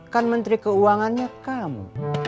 kan menteri keuangannya kamu